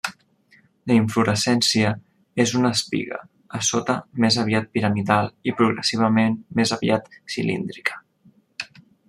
La inflorescència és una espiga, a sota més aviat piramidal i progressivament més aviat cilíndrica.